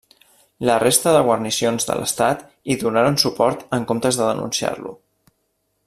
La resta de guarnicions de l'Estat hi donaren suport en comptes de denunciar-lo.